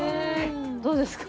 どうですか？